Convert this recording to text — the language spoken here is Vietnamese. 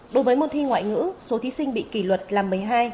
đối với môn thi ngoại ngữ số thí sinh bị kỷ luật là một mươi hai